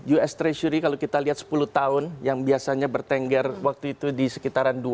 us treasury kalau kita lihat sepuluh tahun yang biasanya bertengger waktu itu di sekitaran dua